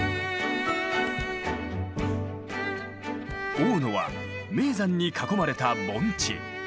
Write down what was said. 大野は名山に囲まれた盆地。